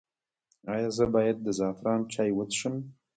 ایا زه باید د زعفران چای وڅښم؟